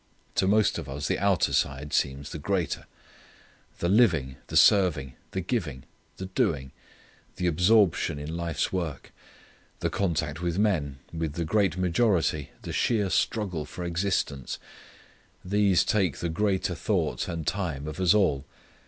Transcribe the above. To most of us the outer side seems the greater. The living, the serving, the giving, the doing, the absorption in life's work, the contact with men, with the great majority the sheer struggle for existence these take the greater thought and time of us all.